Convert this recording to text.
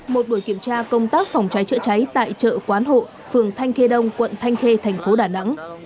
một buổi kiểm tra công tác phòng cháy chữa cháy tại chợ quán hộ phường thanh khê đông quận thanh khê thành phố đà nẵng